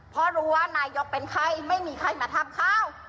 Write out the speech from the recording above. เพราะรู้ว่านายกเป็นไข้ไม่มีไข้มาทำข้าว